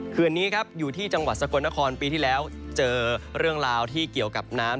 คืนนี้ครับอยู่ที่จังหวัดสกลนครปีที่แล้วเจอเรื่องราวที่เกี่ยวกับน้ำ